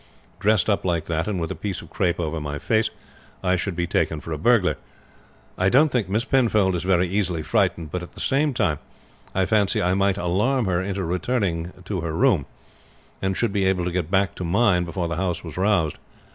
Dressed up like that, and with a piece of crape over my face, I should be taken for a burglar. I don't think Miss Penfold is very easily frightened; but at the same time I fancy I might alarm her into returning to her room, and should be able to get back to mine before the house was roused.